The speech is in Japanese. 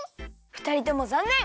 ふたりともざんねん！